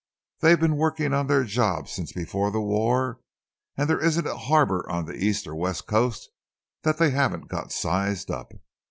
"They've been working on their job since before the war, and there isn't a harbour on the east or west coast that they haven't got sized up.